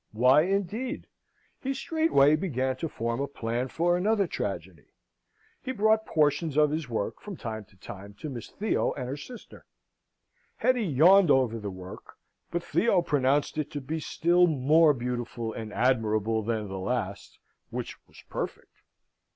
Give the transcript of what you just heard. Why, indeed? He straightway began to form a plan for another tragedy. He brought portions of his work, from time to time, to Miss Theo and her sister: Hetty yawned over the work, but Theo pronounced it to be still more beautiful and admirable than the last, which was perfect.